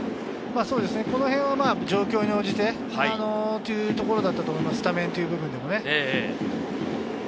このへんは状況に応じてというところだったと思います、スタメンという部分でもね。